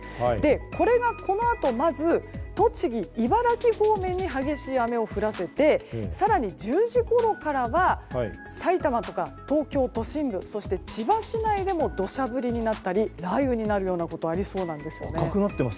これがこのあとまず栃木、茨城方面に激しい雨を降らせて更に１０時ごろからはさいたまとか東京都心部そして千葉市内でも土砂降りになったり雷雨になったりするところがありそうなんですよね。